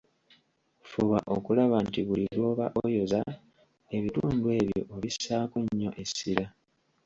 Fuba okulaba nti buli lw'oba oyoza ebitundu ebyo obissaako nnyo essira.